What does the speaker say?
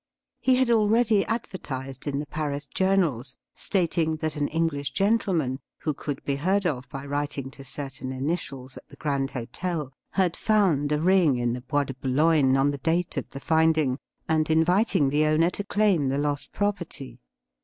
He had already advertised in the Paris journals, stating that an Enghsh gentleman, who could be heard of by writing to certain initials at the Grand Hotel, had found a ring in the Bois de Boulogne on the date of the finding, and inviting the owner to claim the lost property.